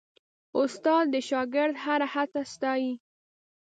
استاد د شاګرد هره هڅه ستايي.